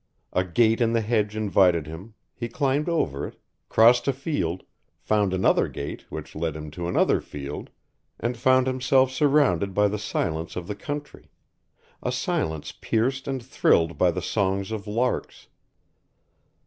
A gate in the hedge invited him, he climbed over it, crossed a field, found another gate which led him to another field, and found himself surrounded by the silence of the country, a silence pierced and thrilled by the songs of larks.